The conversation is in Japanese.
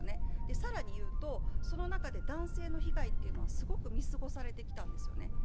更にいうとその中で男性の被害というのはすごく見過ごされてきたんですね。